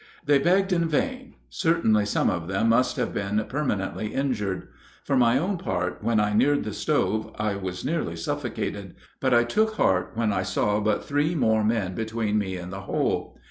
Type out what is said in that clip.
They begged in vain: certainly some of them must have been permanently injured. For my own part, when I neared the stove I was nearly suffocated; but I took heart when I saw but three more men between me and the hole.